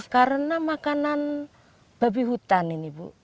karena makanan babi hutan ini bu